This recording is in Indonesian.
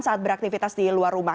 saat beraktivitas di luar rumah